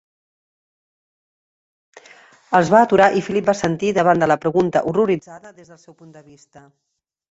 Es va aturar i Philip va assentir davant de la pregunta horroritzada des del seu punt de vista.